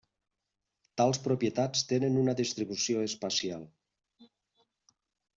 Tals propietats tenen una distribució espacial.